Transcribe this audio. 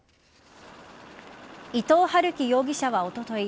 伊藤龍稀容疑者はおととい